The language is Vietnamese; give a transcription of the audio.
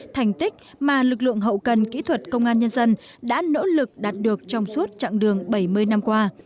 thành tích mà lực lượng hậu cần kỹ thuật công an nhân dân đã nỗ lực đạt được trong suốt chặng đường bảy mươi năm qua